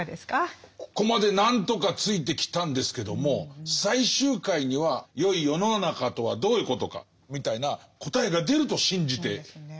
ここまで何とかついてきたんですけども最終回にはよい世の中とはどういうことかみたいな答えが出ると信じて来ていますが。